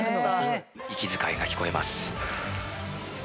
息遣いが聞こえます。